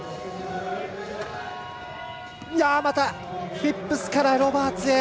フィップスからロバーツへ。